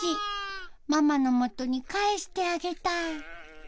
ママのもとに帰してあげたい。